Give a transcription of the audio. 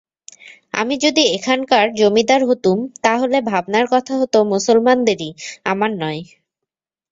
আমি যদি এখানকার জমিদার হতুম তা হলে ভাবনার কথা হত মুসলমানদেরই, আমার নয়।